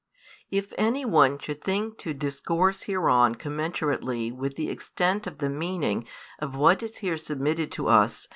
If anyone should think to discourse hereon commensurately with the extent of the meaning of what is here submitted to us.